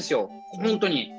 本当に。